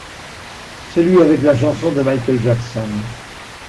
Celui avec la chanson de Michael Jackson.